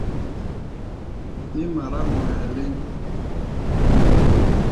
Mí mará mɔ hɛ̧ɛ̧ léŋ.